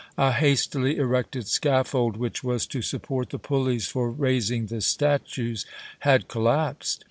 A hastily erected scaffold, which was to support the pulleys for raising the statues, had collapsed.